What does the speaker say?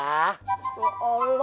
tuh allah mang ojo